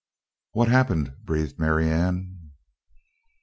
"What happened?" breathed Marianne.